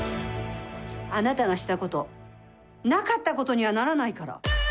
あなたがしたことなかったことにはならないから。